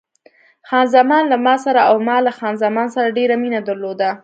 خان زمان له ما سره او ما له خان زمان سره ډېره مینه درلوده.